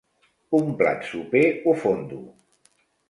Un plat soper o fondo.